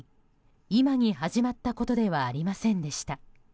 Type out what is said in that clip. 今に始まったことではありませんでした。